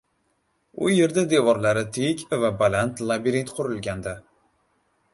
U yerda devorlari tik va baland labirint qurilgandi.